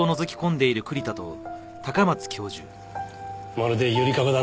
まるでゆりかごだな。